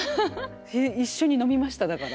一緒に飲みましただから。